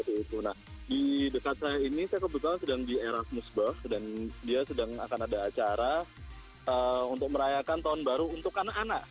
di dekat saya ini saya kebetulan sedang di era smusburgh dan dia sedang akan ada acara untuk merayakan tahun baru untuk anak anak